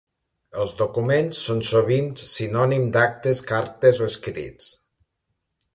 Els documents són sovint sinònim d'actes, cartes o escrits.